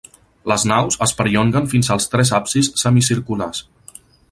Les naus es perllonguen fins als tres absis semicirculars.